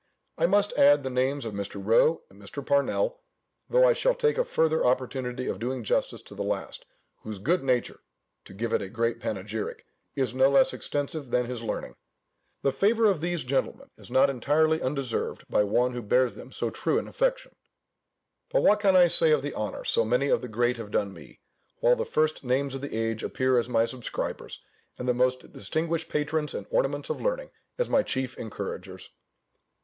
I must add the names of Mr. Rowe, and Dr. Parnell, though I shall take a further opportunity of doing justice to the last, whose good nature (to give it a great panegyric), is no less extensive than his learning. The favour of these gentlemen is not entirely undeserved by one who bears them so true an affection. But what can I say of the honour so many of the great have done me; while the first names of the age appear as my subscribers, and the most distinguished patrons and ornaments of learning as my chief encouragers?